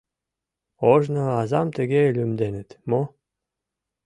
Ожно азам тыге лӱмденыт мо?